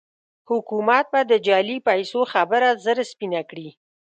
حکومت به د جعلي پيسو خبره ژر سپينه کړي.